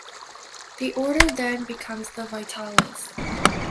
The order then becomes the Vitales.